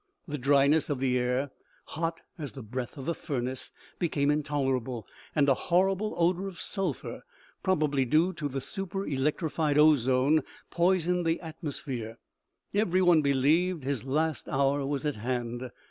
The dryness of the air, hot as the breath of a furnace, became intolerable, and a horrible odor of sulphur, prob ably due to the super electrified ozone, poisoned the atmos phere. Everyone believed his last hour was at hand.